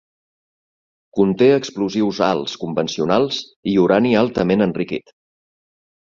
Conté explosius alts convencionals i urani altament enriquit.